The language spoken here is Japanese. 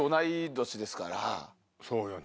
そうよね。